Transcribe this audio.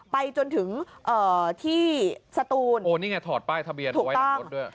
ไปจนถึงเอ่อที่สตูนโอ้นี่ไงถอดป้ายทะเบียนเอาไว้หลังรถด้วย